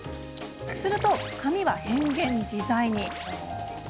すると髪は変幻自在に。